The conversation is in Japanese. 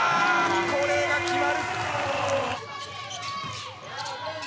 これが決まる！